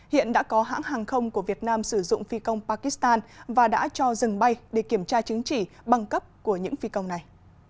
hiện đã có hãng hàng không của việt nam sử dụng phi công pakistan và đã cho dừng bay để kiểm tra chứng chỉ băng cấp của những phi công này